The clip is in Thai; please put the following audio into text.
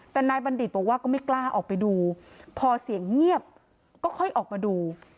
แต่นายบัณฑิตบอกว่าก็ไม่กล้าออกไปดูพอเสียงเงียบก็ค่อยออกมาดู